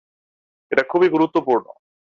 এটা খুবই গুরুত্বপূর্ণ!